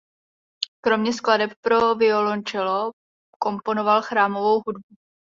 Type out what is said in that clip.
Kromě skladeb pro violoncello komponoval chrámovou hudbu.